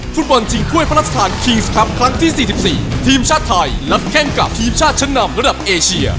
ฟุตบอลถิ่งถ้วยพระราชธาลครั้งที่สี่สิบสี่ทีมชาติไทยรับแข่งกับทีมชาติชั้นนำระดับเอเชีย